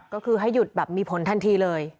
ก็คือให้หยุดแบบมีผลทันทีเลย